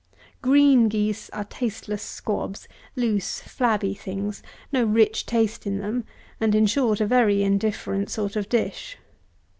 Green geese are tasteless squabs; loose flabby things; no rich taste in them; and, in short, a very indifferent sort of dish.